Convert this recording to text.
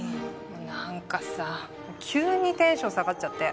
なんかさ急にテンション下がっちゃって。